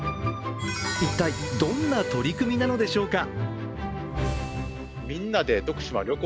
一体、どんな取り組みなのでしょうか。